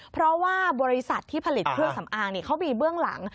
เพราะว่าบริษัทที่ผลิตเครื่องสำอางเขามีเบื้องหลัง